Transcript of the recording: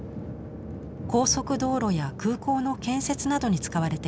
高速道路や空港の建設などに使われています。